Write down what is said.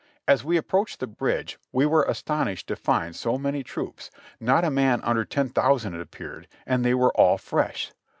As we approached the bridge we were astonished to find so many troops, not a man under ten thousand it appeared, and they were all fresh.